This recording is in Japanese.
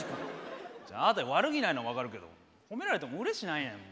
あなたに悪気ないのは分かるけど褒められてもうれしないんや。